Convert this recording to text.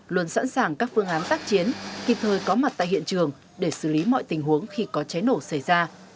luôn sẵn sàng các phương án tác chiến kịp thời có mặt tại hiện trường để xử lý mọi tình huống khi có cháy nổ xảy ra